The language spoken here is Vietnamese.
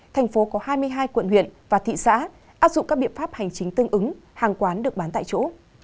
thành phố có hai mươi hai quận huyện và thị xã áp dụng các biện pháp hành chính tương ứng hàng quán được bán tại chỗ